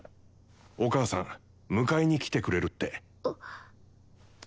お母さん迎えに来てくれるって。